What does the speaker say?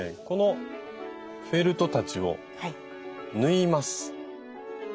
このフェルトたちを縫います。